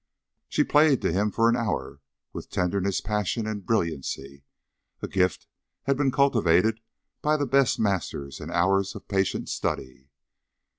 She played to him for an hour, with tenderness, passion, and brilliancy. A gift had been cultivated by the best masters and hours of patient study.